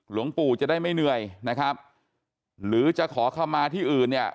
หลวงปู่จะได้ไม่เหนื่อยนะครับหรือจะขอเข้ามาที่อื่นเนี่ย